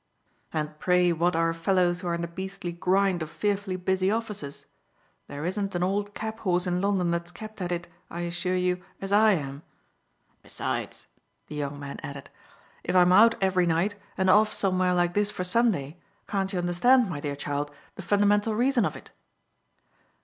"And pray what are fellows who are in the beastly grind of fearfully busy offices? There isn't an old cabhorse in London that's kept at it, I assure you, as I am. Besides," the young man added, "if I'm out every night and off somewhere like this for Sunday, can't you understand, my dear child, the fundamental reason of it?"